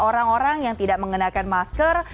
orang orang yang tidak mengenakan masker